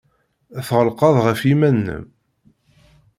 Tɣelqed ɣef yiman-nnem.